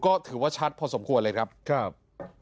ก็ถือว่าชัดพอสมควรเลยครับครับ